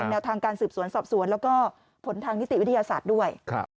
แนวทางการสืบสวนสอบสวนแล้วก็ผลทางนิติวิทยาศาสตร์ด้วย